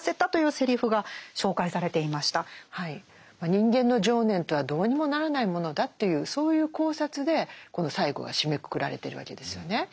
人間の情念とはどうにもならないものだというそういう考察でこの最後が締めくくられてるわけですよね。